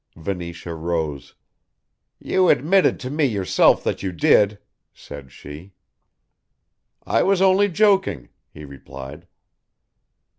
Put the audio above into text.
Venetia rose. "You admitted to me, yourself, that you did," said she. "I was only joking," he replied.